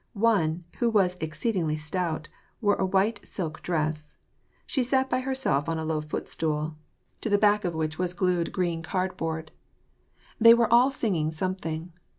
One, who was exceedingly stout, wore a white silk dress. She sat by herself on a low footstool, to the back of which was WAR AND PEACE. 341 glued green cardboard. They were all singing something.